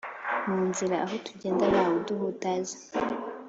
mu nzira aho tugenda ntawuduhutaza